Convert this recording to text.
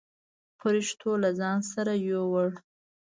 پرښتو له ځان سره يووړ.